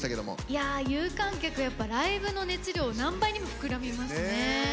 いや有観客やっぱライブの熱量何倍にも膨らみますね。